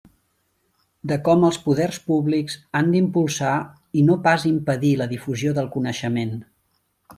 De com els poders públics han d'impulsar i no pas impedir la difusió del coneixement.